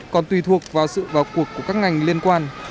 còn tùy thuộc vào sự vào cuộc của các ngành liên quan